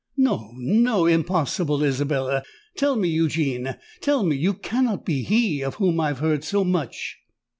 "No—no—impossible, Isabella! Tell me—Eugene—tell me—you cannot be he of whom I have heard so much?"